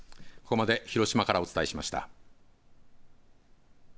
ここまで広島からお伝えしました。